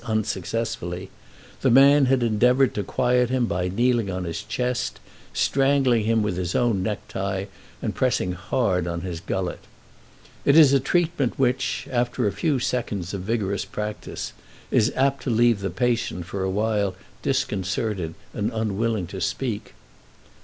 unsuccessfully, the man had endeavoured to quiet him by kneeling on his chest, strangling him with his own necktie, and pressing hard on his gullet. It is a treatment which, after a few seconds of vigorous practice, is apt to leave the patient for a while disconcerted and unwilling to speak.